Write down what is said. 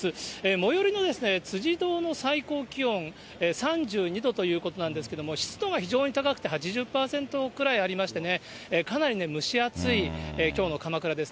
最寄りの辻堂の最高気温、３２度ということなんですけども、湿度が非常に高くて、８０％くらいありまして、かなり蒸し暑いきょうの鎌倉です。